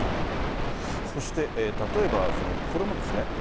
そして例えばこれもですね。